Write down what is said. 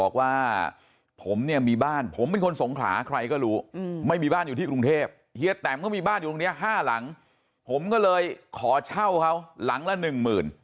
แต่ตรงนี้ห้าหลังผมก็เลยขอเช่าเขาหลังละหนึ่งหมื่น